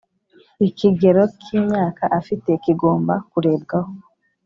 ikigero k’imyaka afite kigomba kurebwaho